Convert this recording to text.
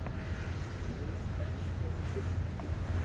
ھون دھنئي ھوئي گيو ھين